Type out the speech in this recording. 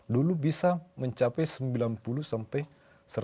dulu bisa mencapai sembilan puluh sampai satu ratus dua puluh kilometer